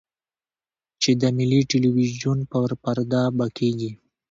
چې د ملي ټلویزیون پر پرده به کېږي.